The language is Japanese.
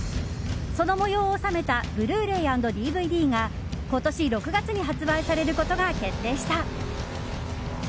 その模様を収めたブルーレイ＆ＤＶＤが今年６月に発売されることが決定した。